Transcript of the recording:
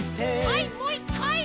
はいもう１かい！